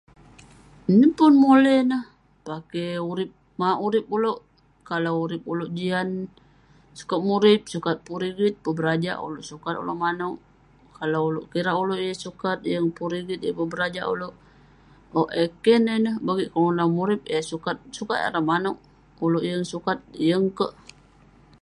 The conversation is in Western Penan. Yeng pun mole neh pake urip mauk mauk urip oleuk kalau urip oluek jian sukat murip sukat pun rigit pun berajak oluek inuem oleuk manuek kalau oleuk kirak oluek yeng sukat yeng pun rigit yeng pun berajak oluek owk eh keh neh ineh bagik kelunan murip eh sukat sukat manuek oleuk yeng sukat yeng kek [unintelligible]